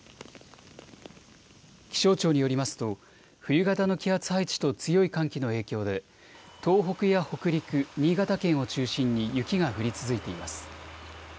気象庁によりますと冬型の気圧配置と強い寒気の影響で東北や北陸、新潟県を中心に雪が降り続いています。